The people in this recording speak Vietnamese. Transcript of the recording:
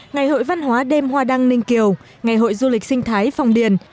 ngày hội văn hóa đêm hoa đăng ninh kiều ngày hội du lịch sinh thái phong điền